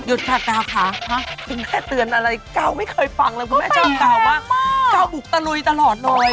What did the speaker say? ค่ะกาวค่ะคุณแม่เตือนอะไรกาวไม่เคยฟังเลยคุณแม่เจ้ากาวมากกาวบุกตะลุยตลอดเลย